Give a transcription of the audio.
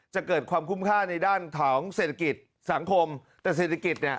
จะเกิดความคุ้มค่าในด้านของเศรษฐกิจสังคมแต่เศรษฐกิจเนี่ย